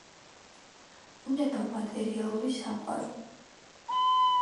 ბუნება მატერიალური სამყარო.